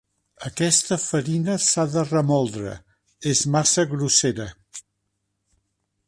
Aquesta farina s'ha de remoldre: és massa grossera.